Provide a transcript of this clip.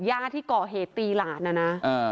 ย่าที่ก่อเหตุตีหลานนะนะ